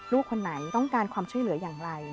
ลูกคนไหนต้องการความช่วยเหลืออย่างไร